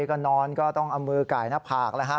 ก็นอนก็ต้องอมือก่ายหน้าผากแล้วครับ